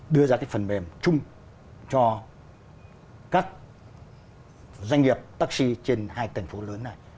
đưa ra cái phần mềm chung cho các doanh nghiệp taxi trên hai thành phố lớn này